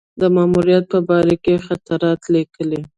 د ماموریت په باره کې یې خاطرات لیکلي.